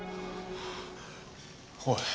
おい。